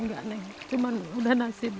enggak nih cuman udah nasib